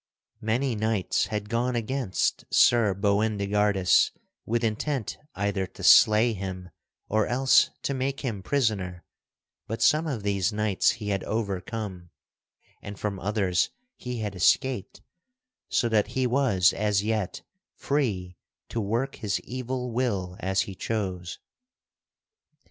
Many knights had gone against Sir Boindegardus, with intent either to slay him or else to make him prisoner; but some of these knights he had overcome, and from others he had escaped, so that he was as yet free to work his evil will as he chose.